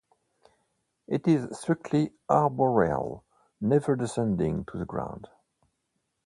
It is strictly arboreal, never descending to the ground.